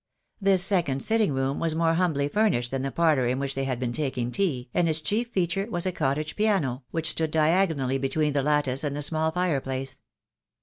This second sitting room was more humbly furnished than the parlour in which they had been taking tea, and its chief feature was a cottage piano, which stood diagonally between the lattice and the small fireplace.